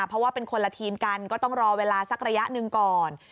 เพราะว่าเป็นคนละทีมกันก็ต้องรอเวลาสักระยะหนึ่งก่อน